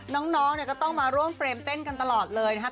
น้องน้อยเนี้ยต้องมาร่วมเต้นเต้นกันตลอดเลยนะคะ